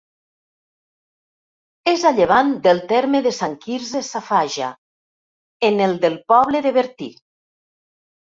És a llevant del terme de Sant Quirze Safaja, en el del poble de Bertí.